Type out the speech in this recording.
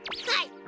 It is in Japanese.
はい！